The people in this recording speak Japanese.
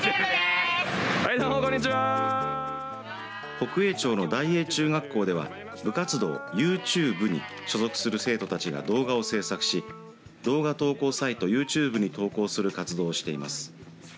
北栄町の大栄中学校では部活動、ＹｏｕＴｕ部に所属する生徒たちが動画を制作し動画投稿サイトユーチューブに投稿する活動をしています。